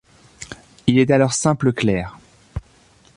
Il est alors simple clerc.